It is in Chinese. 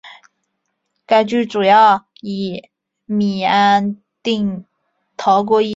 该剧主要以米安定逃过一劫。